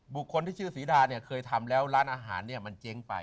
บุคคลที่ชื่อศรีดาเนี่ยเคยทำแล้วร้านอาหารเนี่ยมันเจ๊งไป